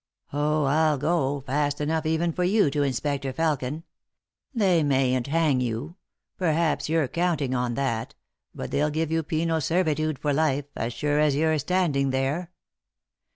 " Oh, I'll go, fast enough even for you, to Inspector Felkin. They mayn't hang you ; perhaps you're count ing on that, but they'll give you penal servitude for life, as sure as you're standing there."